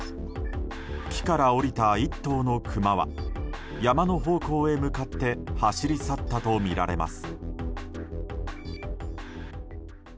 木から下りた１頭のクマは山の方向へ向かって走り去ったとみられます。